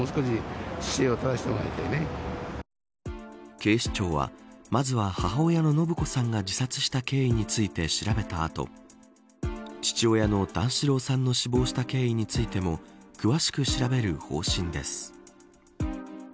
警視庁はまずは母親の延子さんが自殺した経緯について調べた後父親の段四郎さんが死亡した経緯についても詳しく調べる方針です。